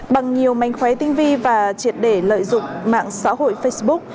bằng nhiều mánh khóe tinh vi và triệt để lợi dụng mạng xã hội facebook